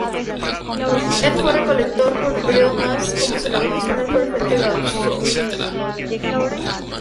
El fue reelecto por un periodo más como senador nacional por el Frente Guasú.